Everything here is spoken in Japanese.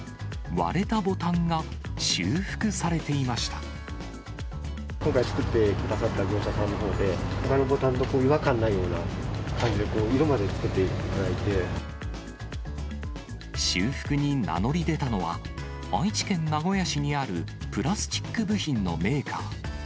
われたボタンが修復されてい今回、作ってくださった業者さんのほうで、ほかのぼたんと違和感ないような感じでこう、色までつけていただ修復に名乗り出たのは、愛知県名古屋市にあるプラスチック部品のメーカー。